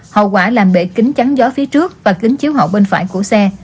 hậu quả là bể kính trắng gió phía trước và kính chiếu hậu bên phải của xe